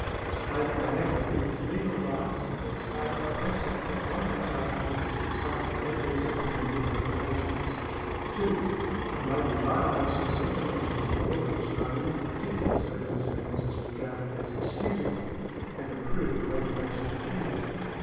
A state may act within its legal rights, and yet so oppressively or unjustly as to excite the adverse opinion of other nations. (2) There may be violations of international law which are in the particular circumstances regarded as excusable, and approved by international opinion.